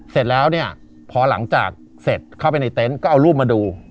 เสร็จแล้วเนี่ยพอหลังจากเสร็จเข้าไปในเต็นต์ก็เอารูปมาดู